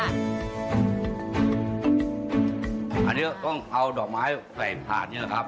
อันนี้ก็ต้องเอาดอกไม้ใส่ถาดนี่แหละครับ